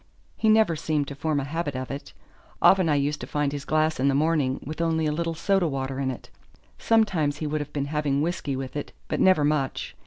He never seemed to form a habit of it. Often I used to find his glass in the morning with only a little soda water in it; sometimes he would have been having whisky with it, but never much.